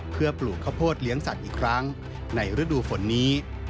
เพื่อปลูกข้าวโพดเลี้ยงสัตว์อีกครั้งในฤดูฝนนี้